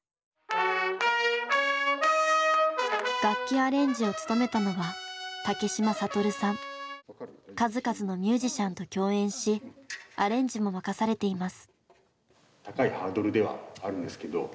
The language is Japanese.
楽器アレンジを務めたのは数々のミュージシャンと共演しアレンジも任されています。